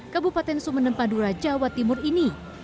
kabupaten sumenem padura jawa timur ini